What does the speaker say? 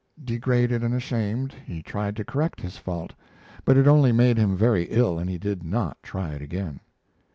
Degraded and ashamed, he tried to correct his fault, but it only made him very ill; and he did not try again.